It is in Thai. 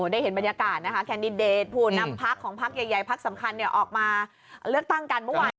ได้เห็นบรรยากาศนะคะแคนดิเดตผู้นำพักของพักใหญ่พักสำคัญออกมาเลือกตั้งกันเมื่อวาน